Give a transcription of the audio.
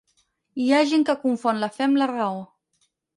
Hi ha gent que confon la fe amb la raó.